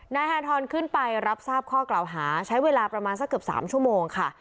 นายฮาทรขึ้นไปรับทราบข้อกล่าวหาใช้เวลาประมาณสักเกือบ๓ชั่วโมงค่ะ